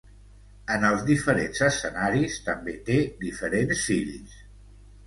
En els diferents escenaris, també té diferents fills.